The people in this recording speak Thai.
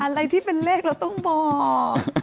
อะไรที่เป็นเลขเราต้องบอก